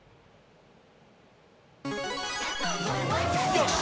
よし！